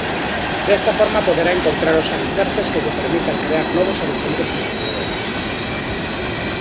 Desta forma poderá encontrar os alicerces que lle permitan crear novos horizontes humanizadores.